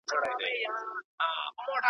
چي پر سر باندي یې وکتل ښکرونه .